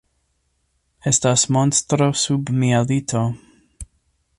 Estas monstro sub mia lito.